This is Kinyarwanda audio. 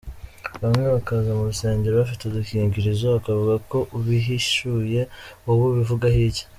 Bamwe bakaza mu rusengero bafite udukingirizo, ukavuga ko ubihishuye, wowe ubivugaho iki?.